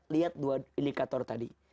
lihat dua indikator tadi